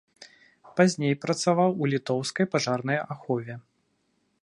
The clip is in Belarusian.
Пазней працаваў у літоўскай пажарнай ахове.